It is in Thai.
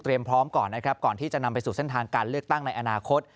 เตรียมพร้อมก่อนก่อนที่จะนำไปสู่เส้นทางการเลือกตั้งในอนาคต